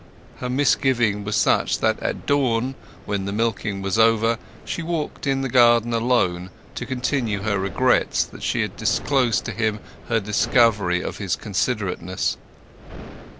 Her misgiving was such that at dusk, when the milking was over, she walked in the garden alone, to continue her regrets that she had disclosed to him her discovery of his considerateness.